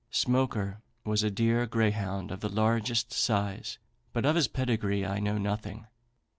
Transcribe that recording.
"Smoaker was a deer greyhound of the largest size, but of his pedigree I know nothing.